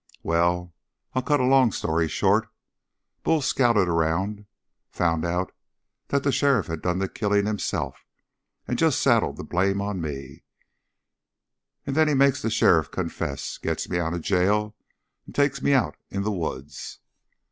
"Well, I'll cut a long story short. Bull scouted around, found out that the sheriff had done the killing himself and just saddled the blame on me, and then he makes the sheriff confess, gets me out of jail, and takes me out in the woods.